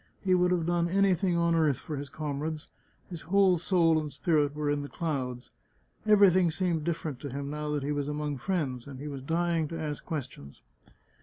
He would have done anything on earth for his comrades; his whole soul and spirit were in the clouds. Everything seemed different to him now that he was among friends, and he was dying to ask questions.